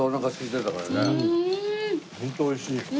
ホントおいしい。